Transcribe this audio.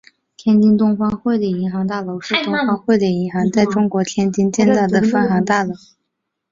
天津东方汇理银行大楼是东方汇理银行在中国天津建造的分行大楼。